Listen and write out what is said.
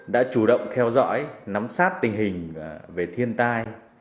đã chủ động theo dõi nắm sát tình hình về thiên tai